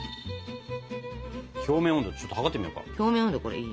表面温度ちょっと測ってみようか。